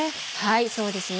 そうですね。